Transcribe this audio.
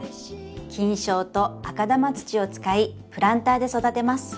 菌床と赤玉土を使いプランターで育てます。